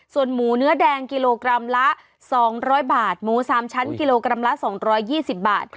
ส่วนหมูเนื้อแดงกิโลกรัมละสองร้อยบาทหมูสามชั้นกิโลกรัมละสองร้อยยี่สิบบาท